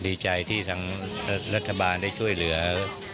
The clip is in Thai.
ดีใจที่ทางรัฐบาลได้ช่วยเหลือ